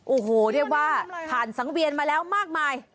โอ้โหเรียกว่าผ่านสังเวียนมาแล้วมากมาย